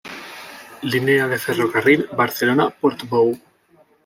Línea de ferrocarril Barcelona-Portbou.